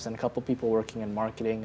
dan beberapa orang yang bekerja di marketing